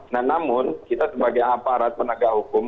nah namun kita sebagai aparat penegak hukum